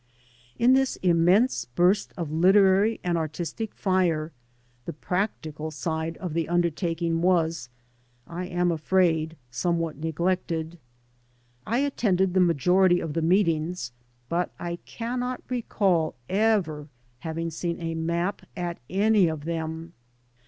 In this immense burst of literary and artistic fire the practical side of the undertaking was, I am afraid, somewhat neglected. I attended the majority of the meetings, but I cannot recall ever having seen a map at any of them.